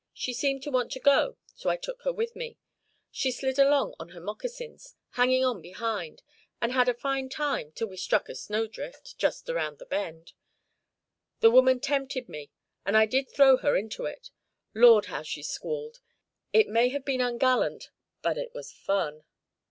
She seemed to want to go, so I took her with me. She slid along on her moccasins, hanging on behind, and had a fine time till we struck a snowdrift, just around the bend. The woman tempted me, and I did throw her into it. Lord, how she squalled! It may have been ungallant, but it was fun."